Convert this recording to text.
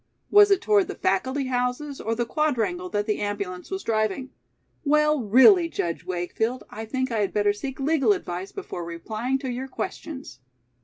Was it toward the faculty houses or the Quadrangle that the ambulance was driving?" "Well, really, Judge Wakefield, I think I had better seek legal advice before replying to your questions."